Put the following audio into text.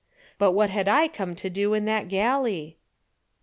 But what had I come to do in that galley?